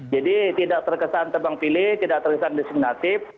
jadi tidak terkesan terbang pilih tidak terkesan disimilatif